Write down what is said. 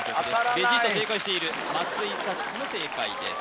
ベジータ正解している松井咲子も正解です